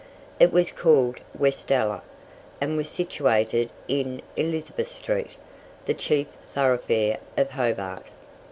It was called Westella, and was situated in Elizabeth street, the chief thoroughfare of Hobart.